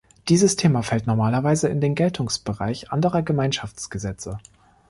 Dieses Thema fällt normalerweise in den Geltungsbereich anderer Gemeinschaftsgesetze.